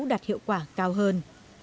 đạt hiệu quả cao hơn